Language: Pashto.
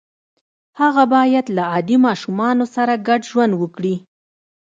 هغه باید له عادي ماشومانو سره ګډ ژوند وکړي